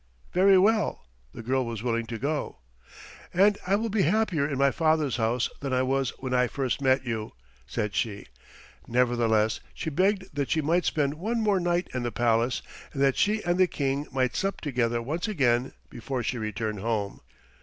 Very well; the girl was willing to go. "And I will be happier in my father's house than I was when I first met you," said she. Nevertheless she begged that she might spend one more night in the palace, and that she and the King might sup together once again before she returned home.